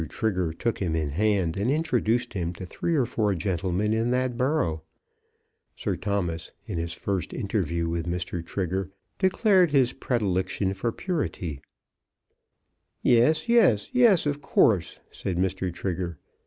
Trigger took him in hand and introduced him to three or four gentlemen in the borough. Sir Thomas, in his first interview with Mr. Trigger, declared his predilection for purity. "Yes, yes; yes, yes; of course," said Mr. Trigger.